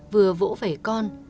vừa vỗ về con